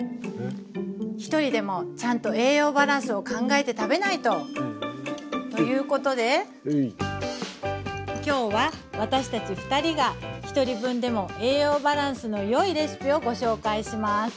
ひとりでもちゃんと栄養バランスを考えて食べないと！ということで今日は私たち２人が１人分でも栄養バランスのよいレシピをご紹介します。